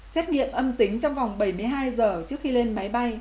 xét nghiệm âm tính trong vòng bảy mươi hai giờ trước khi lên máy bay